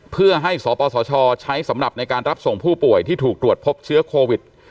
เพื่อให้สปสชใช้สำหรับในการรับส่งผู้ป่วยที่ถูกตรวจพบเชื้อโควิด